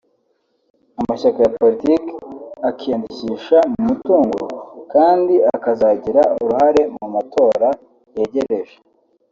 amashyaka ya politiki akiyandikisha mu mutuzo kandi akazagira uruhare mu matora yegereje